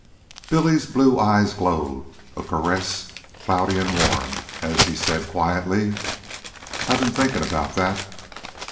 Billy's blue eyes glowed a caress, cloudy and warm; as he said quietly: "I've ben thinkin' about that."